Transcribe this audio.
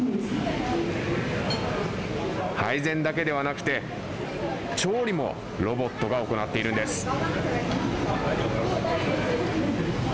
配膳だけではなくて調理もロボットが行っているんです。